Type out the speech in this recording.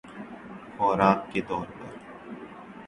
خوراک کے طور پر